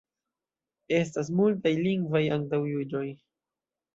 Estas multaj lingvaj antaŭjuĝoj.